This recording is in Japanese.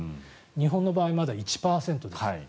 日本の場合、まだ１％です。